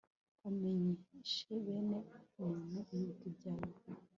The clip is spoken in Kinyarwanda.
bamenyeshe bene muntu ibigwi byawe